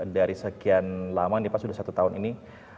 dari sekian lama nih pak sudah satu tahun ini